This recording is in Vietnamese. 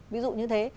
ví dụ như thế